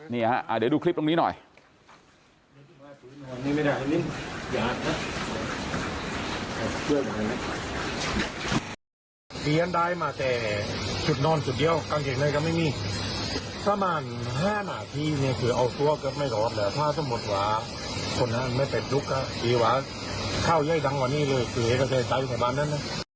นี่ฮะเดี๋ยวดูคลิปตรงนี้หน่อย